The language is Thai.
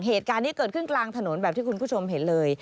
เหตุการณ์นี้เกิดขึ้นกลางถนนแบบที่คุณผู้ชมเห็นเลย